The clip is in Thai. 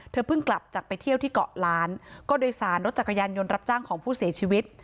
เพิ่งกลับจากไปเที่ยวที่เกาะล้านก็โดยสารรถจักรยานยนต์รับจ้างของผู้เสียชีวิต